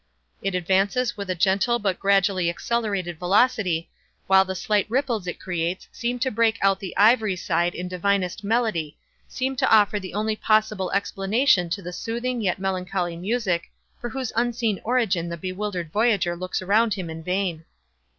It advances with a gentle but gradually accelerated velocity, while the slight ripples it creates seem to break about the ivory side in divinest melody—seem to offer the only possible explanation of the soothing yet melancholy music for whose unseen origin the bewildered voyager looks around him in vain.